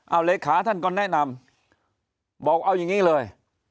เอาเลขาท่านก็แนะนำบอกเอาอย่างนี้เลย